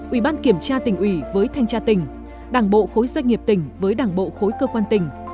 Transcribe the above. ủy ban kiểm tra tỉnh ủy với thanh tra tỉnh đảng bộ khối doanh nghiệp tỉnh với đảng bộ khối cơ quan tỉnh